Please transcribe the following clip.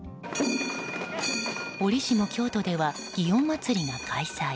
おりしも京都では祇園祭が開催。